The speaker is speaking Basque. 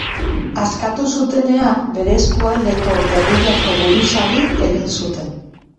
Askatu zutenean, bere eskualdeko gerrillako buruzagi egin zuten.